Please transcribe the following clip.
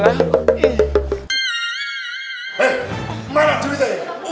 hei mana juri tadi